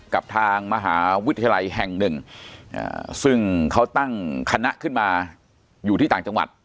กับทางมหาวิทยาลัยแห่งหนึ่งซึ่งเขาตั้งคณะขึ้นมาอยู่ที่ต่างจังหวัด